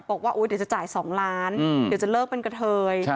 บอกว่าเดี๋ยวจะจ่าย๒ล้านเดี๋ยวจะเลิกเป็นกระเทย